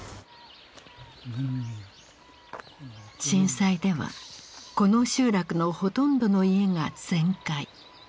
震災ではこの集落のほとんどの家が全壊。